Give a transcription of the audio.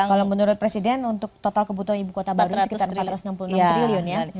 kalau menurut presiden untuk total kebutuhan ibu kota baru sekitar empat ratus enam puluh enam triliun ya